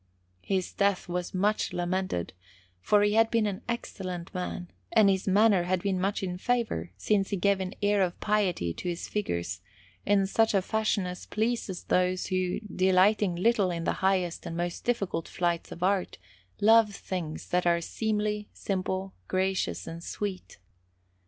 His death was much lamented, for he had been an excellent man, and his manner had been much in favour, since he gave an air of piety to his figures, in such a fashion as pleases those who, delighting little in the highest and most difficult flights of art, love things that are seemly, simple, gracious, and sweet.